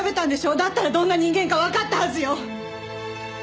だったらどんな人間かわかったはずよ！